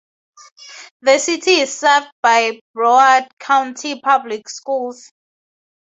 The city is served by Broward County Public Schools.